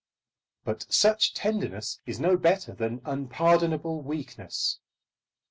But such tenderness is no better than unpardonable weakness.